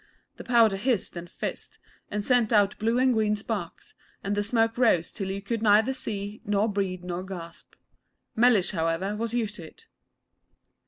The powder hissed and fizzed, and sent out blue and green sparks, and the smoke rose till you could neither see, nor breathe, nor gasp. Mellish, however, was used to it.